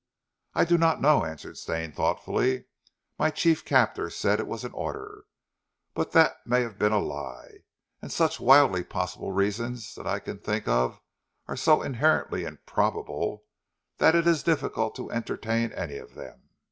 "I do not know," answered Stane thoughtfully. "My chief captor said it was an order, but that may have been a lie; and such wildly possible reasons that I can think of are so inherently improbable that it is difficult to entertain any of them.